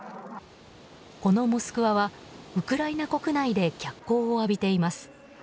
この「モスクワ」はウクライナの国内で脚光を浴びています。